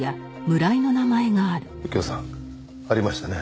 右京さんありましたね。